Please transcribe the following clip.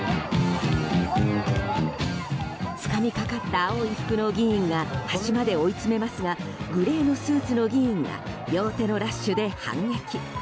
つかみかかった青い服の議員が端まで追い詰めますがグレーのスーツの議員が両手のラッシュで反撃。